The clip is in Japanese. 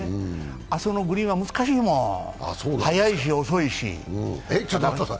あそこのグリーンは難しいもん速いし、遅いし。